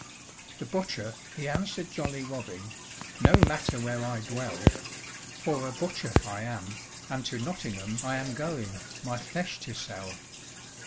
The butcher he answer'd jolly Robin, "No matter where I dwell; For a butcher I am, and to Nottingham I am going, my flesh to sell."